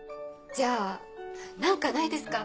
じゃあ何かないですか？